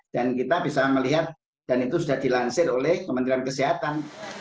dan kita bisa melihat dan itu sudah dilansir oleh kementerian kesehatan